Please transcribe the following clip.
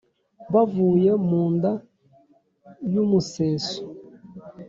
bavuye mu nda y’umuseso.